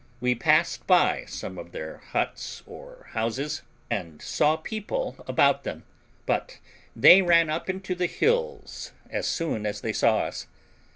We passed by some of their huts or houses, and saw people about them, but they ran up into the hills as soon as they saw us.